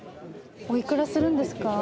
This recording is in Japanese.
おいくらするんですか？